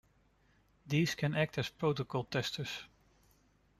These can act as protocol testers.